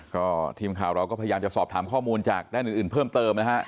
ก็ทีมข่าวเราก็พยายามจะสอบถามข้อมูลจากด้านอื่นเพิ่มเติมนะฮะ